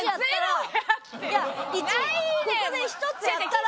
ここで１つやったら。